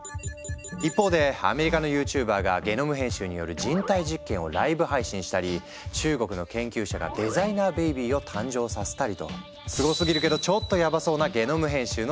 一方でアメリカのＹｏｕＴｕｂｅｒがゲノム編集による人体実験をライブ配信したり中国の研究者がデザイナーベビーを誕生させたりとすごすぎるけどちょっとヤバそうなゲノム編集の世界。